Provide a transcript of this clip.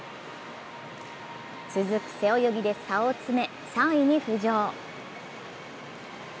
続く背泳ぎで差を詰め３位に浮上。